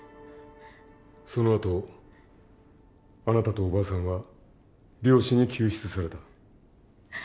そのあとあなたとおばあさんは猟師に救出された。